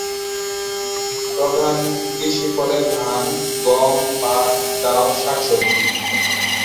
প্রধান কৃষি ফলে ধান, গম, পাট, ডাল, শাকসবজি।